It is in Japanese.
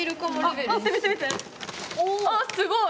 あすごい！